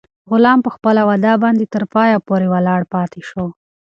غلام په خپله وعده باندې تر پایه پورې ولاړ پاتې شو.